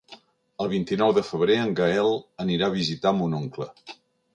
El vint-i-nou de febrer en Gaël anirà a visitar mon oncle.